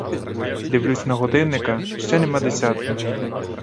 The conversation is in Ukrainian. Дивлюсь на годинника: ще нема десятої.